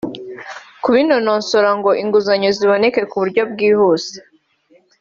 kubinonosora ngo inguzanyo ziboneke ku buryo bwihuse